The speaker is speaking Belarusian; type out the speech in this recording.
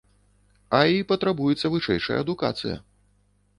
А, і патрабуецца вышэйшая адукацыя.